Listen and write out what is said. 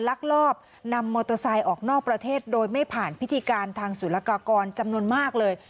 ลักลอบนำมอเตอร์ไซค์ออกนอกประเทศโดยไม่ผ่านพิธีการทางสุรกากรจำนวนมากเลย